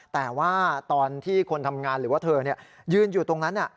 แต่ว่าตอนที่คนทำงานหรือว่าเธอยืนอยู่ตรงนั้น